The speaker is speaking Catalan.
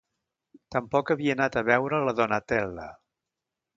Tampoc havia anat a veure la Donatella.